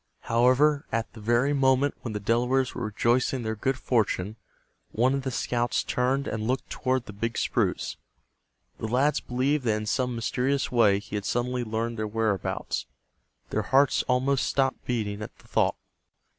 However, at the very moment when the Delawares were rejoicing in their good fortune, one of the scouts turned and looked toward the big spruce. The lads believed that in some mysterious way he had suddenly learned their whereabouts. Their hearts almost stopped beating at the thought.